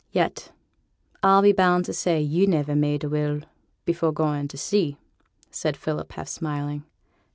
'Yet I'll be bound to say yo' niver made a will before going to sea,' said Philip, half smiling.